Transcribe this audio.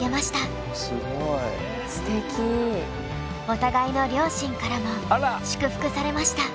お互いの両親からも祝福されました。